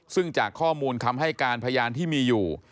ซึ่งจากข้อมูลคำให้การพยานที่มีอยู่